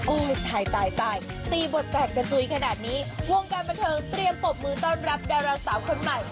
อุ้ยตายตายตายตีบทแปลกกระจุยขนาดนี้ช่วงการประเทิงเตรียมปบมือต้อนรับดาราสาวคนใหม่